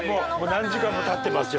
もう何時間もたってますよ。